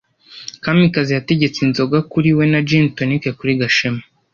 Kamikazi yategetse inzoga kuri we na gin tonic kuri Gashema.